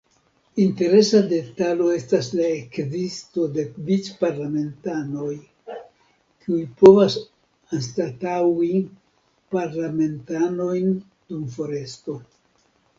Interesa detalo estas la ekzisto de "vic-parlamentanoj", kiuj povas anstataŭi parlamentanojn dum foresto.